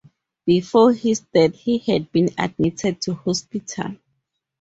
Before his death, he had been admitted to hospital.